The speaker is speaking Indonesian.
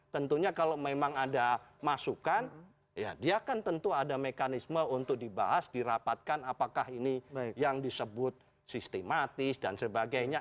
tentunya kalau memang ada masukan ya dia kan tentu ada mekanisme untuk dibahas dirapatkan apakah ini yang disebut sistematis dan sebagainya